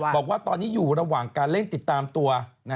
บอกว่าตอนนี้อยู่ระหว่างการเร่งติดตามตัว